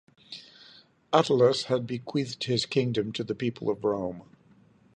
Attalus had bequeathed his kingdom to the people of Rome.